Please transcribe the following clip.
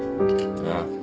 ああ。